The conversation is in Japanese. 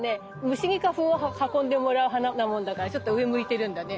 虫に花粉を運んでもらう花なもんだからちょっと上向いてるんだね。